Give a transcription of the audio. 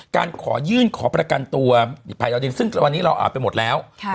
การขอยื่นขอประกันตัวอีกภายดาวดินซึ่งวันนี้เราอ่านไปหมดแล้ว